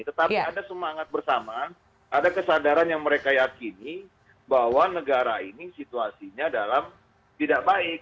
tetapi ada semangat bersama ada kesadaran yang mereka yakini bahwa negara ini situasinya dalam tidak baik